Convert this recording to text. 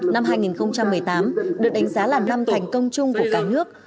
năm hai nghìn một mươi tám được đánh giá là năm thành công chung của cả nước